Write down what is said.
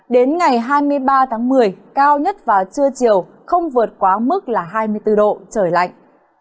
đến ngày hai mươi ba tháng một mươi cao nhất vào trưa chiều không vượt quá mức là hai mươi bốn độ trời lạnh